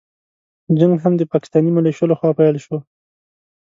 جنګ هم د پاکستاني مليشو له خوا پيل شو.